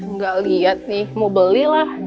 nggak lihat nih mau beli lah